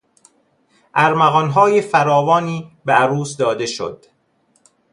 ارمغانهای فراوانی به عروس داده شد.